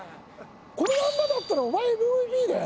このまんまだったらお前ＭＶＰだよ？